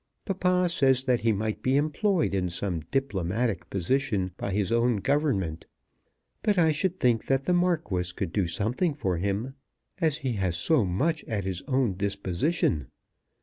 Papa says that he might be employed in some diplomatic position by his own Government; but I should think that the Marquis could do something for him as he has so much at his own disposition.